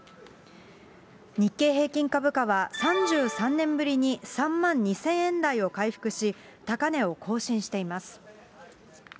日経平均株価は３３年ぶりに３万２０００円台を回復し、高値を更新しています。